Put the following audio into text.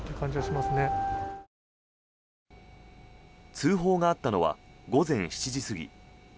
通報があったのは午前７時過ぎ。